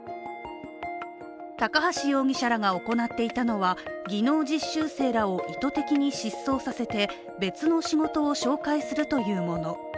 高橋容疑者らが行っていたのは技能実習生らを意図的に失踪させて別の仕事を紹介するというもの。